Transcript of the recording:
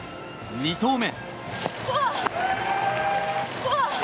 ２投目。